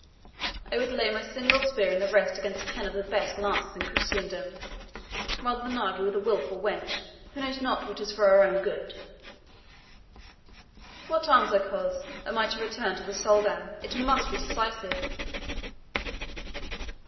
I would lay my single spear in the rest against ten of the best lances in Christendom, rather than argue with a wilful wench who knows not what is for her own good. What answer, coz, am I to return to the Soldan? It must be decisive."